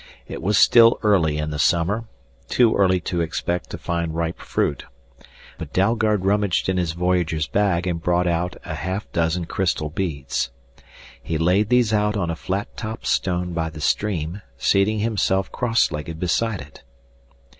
It was still early in the summer too early to expect to find ripe fruit. But Dalgard rummaged in his voyager's bag and brought out a half dozen crystal beads. He laid these out on a flat topped stone by the stream, seating himself cross legged beside it.